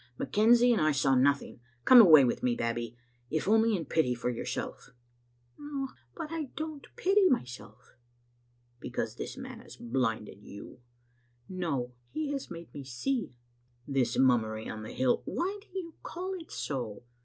McKenzie and I saw nothing. Come away with me. Babbie, if only in pity for yourself." " Ah, but I don't pity myself. "" Because this man has blinded you." " No, he has made me see. "" This mummery on the hill "" Why do you call it so?